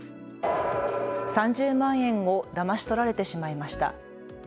３０万円をだまし取られてしまいました。